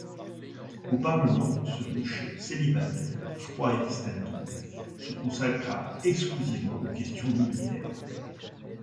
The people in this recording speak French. Au Parlement, ce riche célibataire, froid et distingué, se consacra exclusivement aux questions militaires.